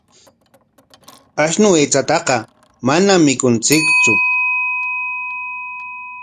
Ashnu aychataqa manam mikunchiktsu.